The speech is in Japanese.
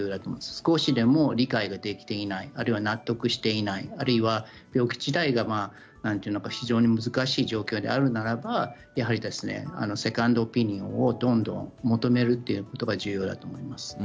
少しでも理解できていない納得できていないあるいは病気自体が非常に難しい状況にあるならばセカンドオピニオンをどんどん求めるということが重要だと思います。